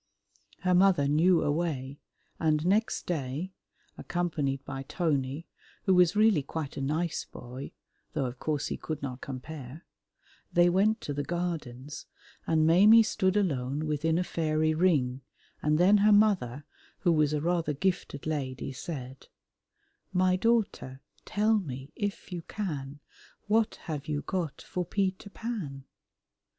Her mother knew a way, and next day, accompanied by Tony (who was really quite a nice boy, though of course he could not compare), they went to the Gardens, and Maimie stood alone within a fairy ring, and then her mother, who was a rather gifted lady, said, "My daughter, tell me, if you can, What have you got for Peter Pan?"